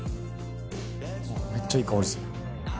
めっちゃいい香りする。